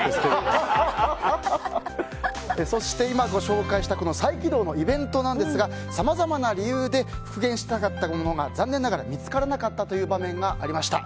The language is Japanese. そして今ご紹介した再起動のイベントですがさまざまな理由で復元したかったものが残念ながら見つからなかったという場面がありました。